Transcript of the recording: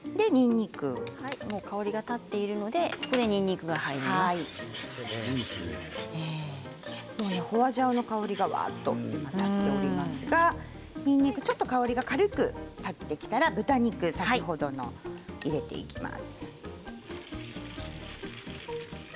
香りが立っているのでホワジャオの香りがほわっと立っておりますがにんにく、ちょっと香りが軽く立ってきたら豚肉、先ほどの入れていきます。